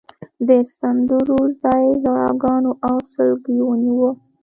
د سندرو ځای ژړاګانو او سلګیو ونیو.